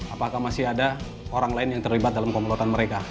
apakah masih ada orang lain yang terlibat dalam komplotan mereka